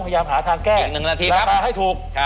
พยายามหาทางแก้ราคาให้ถูก